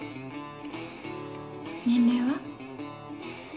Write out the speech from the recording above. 年齢は？